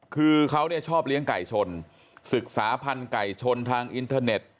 คือเขาชอบเลี้ยงไก่ชนศึกษาพันธุ์ไก่ชนทางอินเทอร์เน็ต